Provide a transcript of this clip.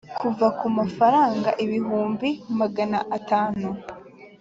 kuva ku mafaranga ibihumbi magana atanu